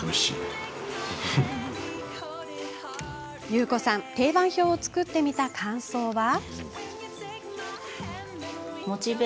ゆうこさん定番表を作ってみた感想は？